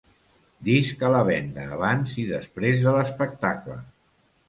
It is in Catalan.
Disc a la venda abans i després de l'espectacle.